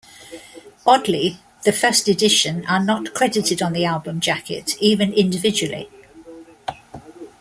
Oddly the First Edition are not credited on the album jacket, even individually.